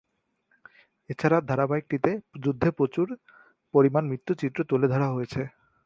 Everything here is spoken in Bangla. এছাড়া ধারাবাহিকটিতে যুদ্ধে প্রচুর পরিমাণ মৃত্যুর চিত্র তুলে ধরা হয়েছে।